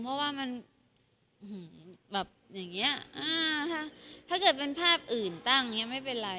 ถ้าเกิดภาพอื่นตั้งอย่างนี้ไม่เป็นไร